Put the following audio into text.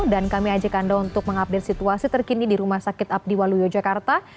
dan kami ajak anda untuk mengupdate situasi terkini di rumah sakit abdiwaluyo jakarta